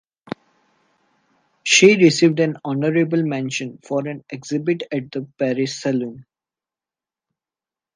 She received an honourable mention for an exhibit at the Paris Salon.